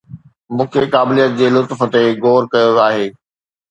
مون کي قابليت جي لطف تي غور ڪيو آهي